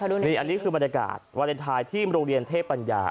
นี่อันนี้คือบรรยากาศวาเลนไทยที่โรงเรียนเทพปัญญา